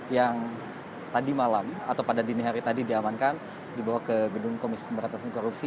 yang tadi malam atau pada dini hari tadi diamankan dibawa ke gedung komisi pemberantasan korupsi